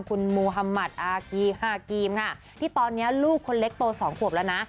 คุณโมฮัมมัติอากีฮากีมค่ะที่ตอนนี้ลูกคนเล็กโตสองขวบแล้วนะ